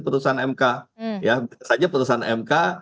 putusan mk ya bisa saja putusan mk